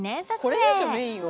「これでしょメインは」